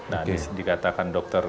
nah dikatakan dokter